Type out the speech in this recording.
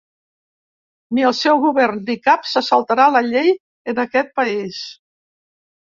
Ni el seu govern ni cap se saltarà la llei en aquest país.